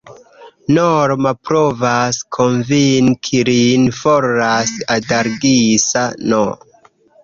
Norma provas konvinki lin forlasi Adalgisa-n.